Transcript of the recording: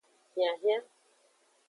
Hianhian.